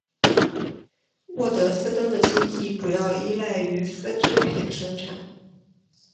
沃德斯登的经济主要依赖于丝织品生产。